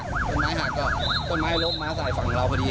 ต้นไม้หักก็ต้นไม้ล้มมาใส่ฝั่งเราพอดี